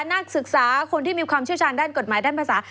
นักศึกษาคนที่มีความเชี่ยวชาญด้านกฎหมายด้านภาษา